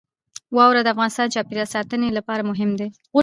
واوره د افغانستان د چاپیریال ساتنې لپاره مهم دي.